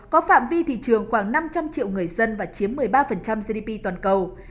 có phạm vi thị trường khoảng năm trăm linh triệu người dân và chiếm một mươi ba gdp toàn cầu